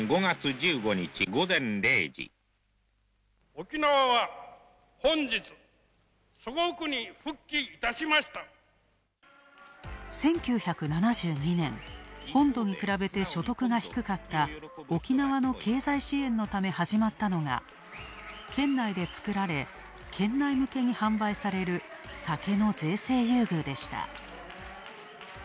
１９７２年、本土に比べて所得が低かった沖縄の経済支援のため始まったのが、県内で造られ、県内向けに販売される酒の税制優遇でした。